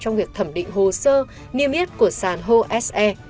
trong việc thẩm định hồ sơ niêm yết của sàn hồ se